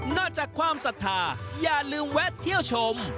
จากความศรัทธาอย่าลืมแวะเที่ยวชม